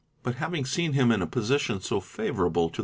But : 1 aving seen him in a position so favourable to.